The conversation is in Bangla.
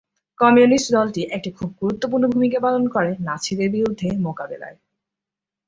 কমিউনিস্ট দলটি একটি খুব গুরুত্বপূর্ণ ভূমিকা পালন করে নাৎসিদের বিরুদ্ধে মোকাবিলায়।